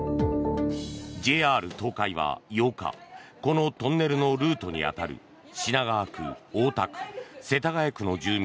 ＪＲ東海は８日このトンネルのルートに当たる品川区、大田区、世田谷区の住民